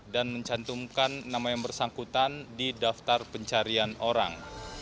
dan mencantumkan nama yang bersangkutan di daftar pencarian orang